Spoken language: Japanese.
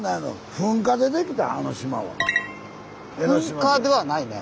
噴火ではないね。